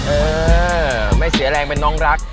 เออไม่เสียแรงเป็นน้องรัก